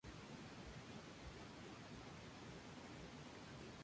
Licenciado en Derecho por la Universidad de Valladolid, está casado y tiene dos hijos.